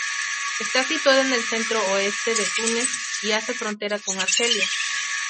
Está situada en el centro-oeste de Túnez, y hace frontera con Argelia.